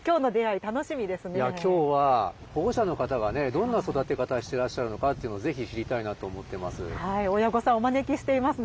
いや今日は保護者の方がどんな育て方してらっしゃるのかっていうのをぜひ知りたいなと思ってます。